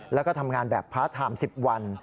แล้วก็ทำงานแบบพาร์ทไทม์๑๐วัน